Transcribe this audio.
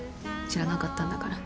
知らなかったんだから。